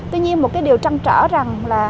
tuy nhiên một cái điều trăn trở rằng là